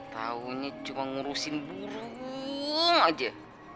tahunya cuma ngurusin burung aja